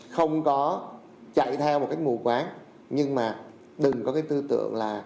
không có chạy theo một cách mù quán nhưng mà đừng có cái tư tượng là